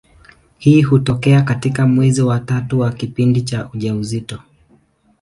Hii hutokea katika mwezi wa tatu wa kipindi cha ujauzito.